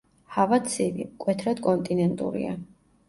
ჰავა ცივი, მკვეთრად კონტინენტურია.